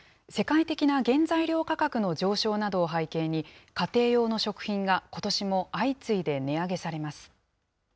世界的な原材料価格の上昇などを背景に、家庭用の食品がことしも相次いで値上げされます。